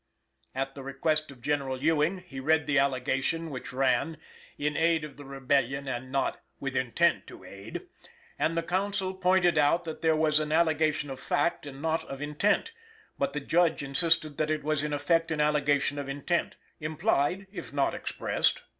At the request of General Ewing he read the allegation which ran "in aid of the Rebellion," and not "with intent to aid," and the counsel pointed out that that was "an allegation of fact, and not of intent;" but the Judge insisted that it was in effect an allegation of intent implied if not expressed.